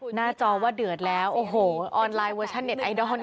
หน้าจอว่าเดือดแล้วโอ้โหออนไลน์เวอร์ชันเน็ตไอดอล